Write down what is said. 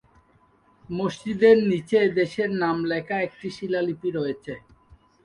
মসজিদের নিচে দেশের নাম লেখা একটি শিলালিপি রয়েছে।